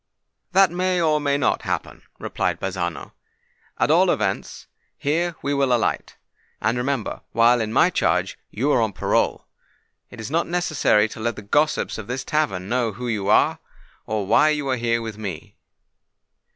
"That may, or may not happen," replied Bazzano. "At all events, here we will alight: and, remember, while in my charge, you are on your parole. It is not necessary to let the gossips of this tavern know who you are, or why you are here with me."